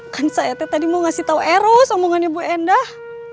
kan saya tadi mau ngasih tau eros omongannya bu endah